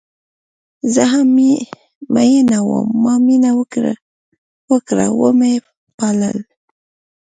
زه هم میینه وم ما مینه وکړه وه مې پالل